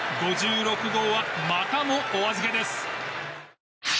５６号はまたもお預けです。